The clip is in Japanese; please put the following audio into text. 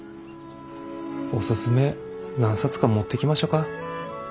おすすめ何冊か持ってきましょか。